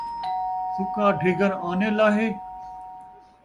سُکا ڈھین٘گر آنے لاہے ؟